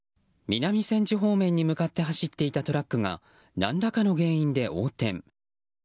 南千住方面に向かって走っていたトラックが何らかの原因で横転。